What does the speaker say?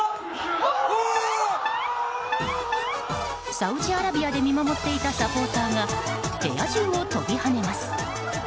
サウジアラビアで見守っていたサポーターが部屋中を飛び跳ねます。